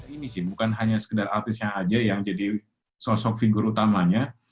ini sih bukan hanya sekedar artisnya aja yang jadi sosok figur utamanya